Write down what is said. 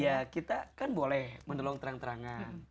ya kita kan boleh menolong terang terangan